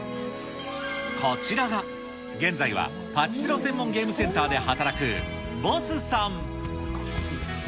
こちらが、現在はパチスロ専門ゲームセンターで働くＢＯＳＳさん。